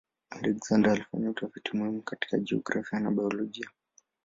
Alexander alifanya utafiti muhimu katika jiografia na biolojia.